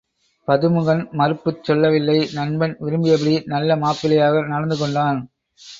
பதுமுகன் மறுப்புச் சொல்லவில்லை நண்பன் விரும்பியபடி நல்ல மாப்பிள்ளையாக நடந்துகொண்டான்.